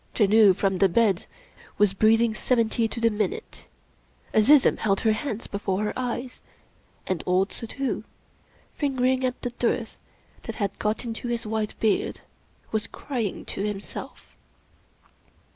Janoo from the bed was breathing seventy to the minute; Azizun held her hands before her eyes; and old Suddhoo, fingering at the dirt that had got into his white beard, was crying to himself.